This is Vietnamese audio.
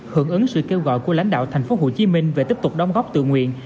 hưởng ứng sự kêu gọi của lãnh đạo tp hcm về tiếp tục đóng góp tự nguyện